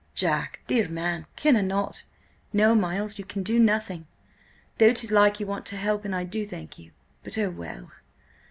"Jack, dear man, can I not—" "No, Miles, you can do nothing, though 'tis like you to want to help, and I do thank you. But–oh well!